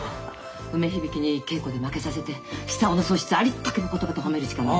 梅響に稽古で負けさせて久男の素質をありったけの言葉で褒めるしかない。